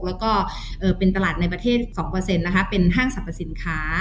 แล้วก็เอ่อเป็นตลาดในประเทศสองเปอร์เซ็นต์นะคะเป็นห้างสรรพสินค้า